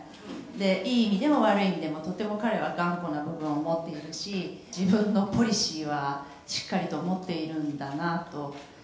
「いい意味でも悪い意味でもとても彼は頑固な部分を持っているし自分のポリシーはしっかりと持っているんだなと」